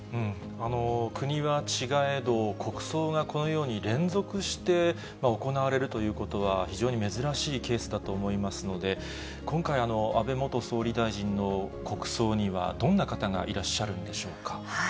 国は違えど、国葬がこのように連続して行われるということは、非常に珍しいケースだと思いますので、今回、安倍元総理大臣の国葬にはどんな方がいらっしゃるんでしょうか。